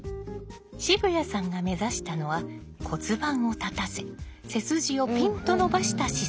渋谷さんが目指したのは骨盤を立たせ背筋をピンと伸ばした姿勢。